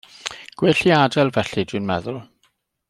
Gwell ei adael felly, dw i'n meddwl.